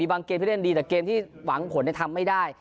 เกมที่เล่นดีแต่เกมที่หวังผลทำไม่ได้